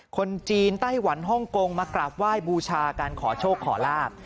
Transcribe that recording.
คนจีนไต้หวันฮ่องกงมากราบไหว้บูชาการขอโชคขอลาบ